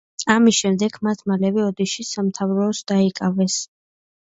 ამის შემდეგ მათ მალევე ოდიშის სამთავროს დაიკავეს.